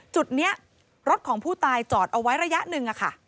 จุดนี้รถของผู้ตายจอดเอาไว้ระยะหนึ่ง